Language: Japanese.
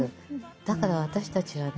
だから私たちはね